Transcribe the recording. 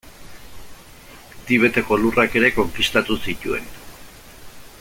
Tibeteko lurrak ere konkistatu zituen.